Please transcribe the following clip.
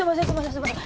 すみません